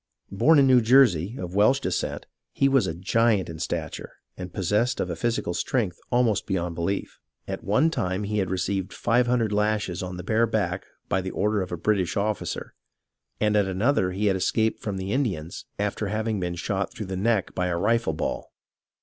Born in New Jersey, of Welsh descent, he was a giant in stature and possessed of a physical strength almost beyond belief. THE CONTINENTAL SOLDIERS 73 At one time he had received five hundred lashes on the bare back by the order of a British officer, and at another he had escaped from the Indians after having been shot through the neck by a rifle ball.